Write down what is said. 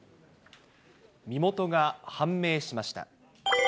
身元が判明しました。